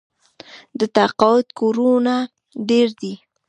د تقاعد کورونه ډیر دي.